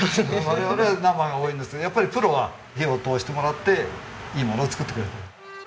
我々は生が多いんですけどやっぱりプロは火を通してもらっていいものを作ってくれる。